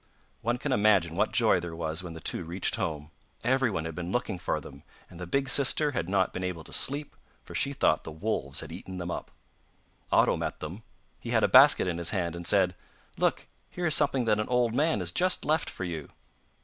One can imagine what joy there was when the two reached home. Everyone had been looking for them, and the big sister had not been able to sleep, for she thought the wolves had eaten them up. Otto met them; he had a basket in his hand and said: 'Look, here is something that an old man has just left for you.